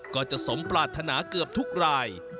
ก็จะสมปรารถนาเกือบทุกราย